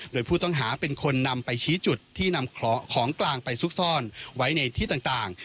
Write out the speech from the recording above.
โดยผู้ต้องหาเป็นคนนำไปชี้จุดที่นำของกลางไปซุกซ่อนไว้ในที่ต่าง